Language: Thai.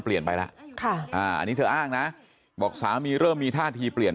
เปลี่ยนไปแล้วอันนี้เธออ้างนะบอกสามีเริ่มมีท่าทีเปลี่ยน